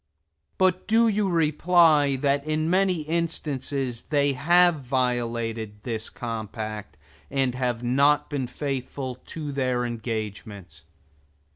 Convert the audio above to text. But do you reply that in many instances they have violated this compact, and have not been faithful to their engagements?